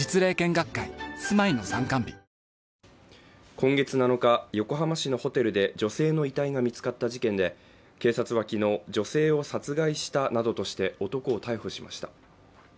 今月７日、横浜市のホテルで女性の遺体が見つかった事件で警察は昨日、女性を殺害したなどとして男を逮捕しました。